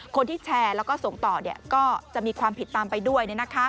คนที่แชร์แล้วก็ส่งต่อก็จะมีความผิดตามไปด้วย